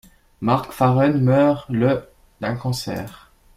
Mark Farren meurt le d'un cancer.